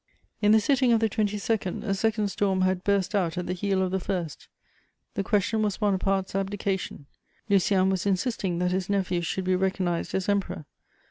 In the sitting of the 22nd, a second storm had burst out at the heel of the first: the question was Bonaparte's abdication; Lucien was insisting that his nephew should be recognized as Emperor.